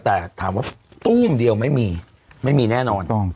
แต่ถามว่าตู้มเดียวไม่มีไม่มีแน่นอน